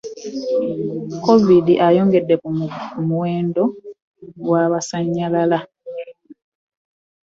Covid ayongedde ku muwendo gw'abasnyalala.